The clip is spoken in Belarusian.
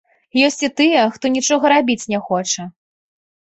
Ёсць і тыя, хто нічога рабіць не хоча.